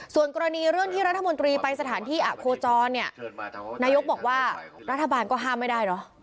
ส่วนกรณีเรื่องที่รัฐมนตรีไปสถานที่อะโคจรเนี่ยนายกบอกว่ารัฐบาลก็ห้ามไม่ได้เนอะ